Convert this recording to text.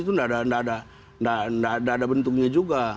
itu tidak ada bentuknya juga